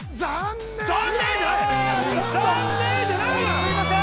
すいません。